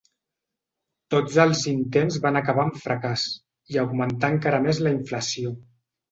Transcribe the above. Tots els intents van acabar en fracàs, i augmentà encara més la inflació.